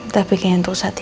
tapi kayaknya untuk saat ini